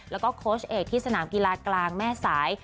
แล้วก็โค้ชเอกที่สนามกีฬากลางแม่สาย